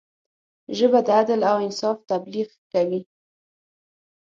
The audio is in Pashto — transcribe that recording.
ژبه د عدل او انصاف تبلیغ کوي